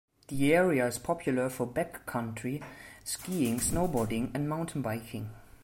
The area is popular for backcountry skiing, snowboarding, and mountain biking.